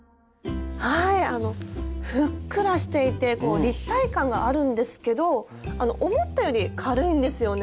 ふっくらしていて立体感があるんですけど思ったより軽いんですよね。